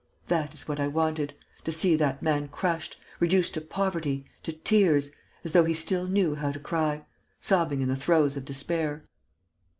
That is what I wanted: to see that man crushed, reduced to poverty, to tears as though he still knew how to cry! sobbing in the throes of despair...."